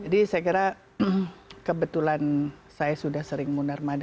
jadi saya kira kebetulan saya sudah sering munar madu